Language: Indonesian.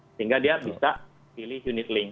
sehingga dia bisa pilih unitlink